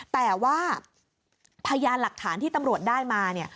แต่ว่าพยานหลักฐานที่ตำรวจได้มาเนี่ย